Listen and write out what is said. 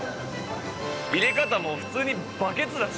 入れ方も普通にバケツだし。